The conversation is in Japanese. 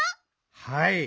はい。